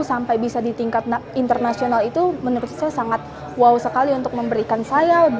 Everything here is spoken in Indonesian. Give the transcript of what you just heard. sampai bisa di tingkat internasional itu menurut saya sangat wow sekali untuk memberikan saya